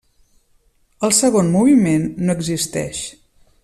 El segon moviment no existeix.